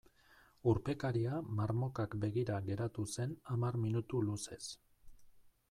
Urpekaria marmokak begira geratu zen hamar minutu luzez.